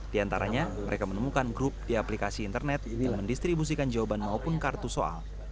di antaranya mereka menemukan grup di aplikasi internet yang mendistribusikan jawaban maupun kartu soal